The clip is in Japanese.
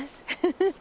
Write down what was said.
フフフフ。